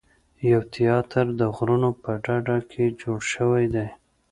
یو تیاتر د غرونو په ډډه کې جوړ شوی دی.